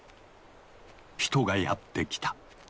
人がやって来た。